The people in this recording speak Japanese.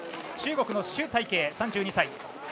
中国の朱大慶、３２歳。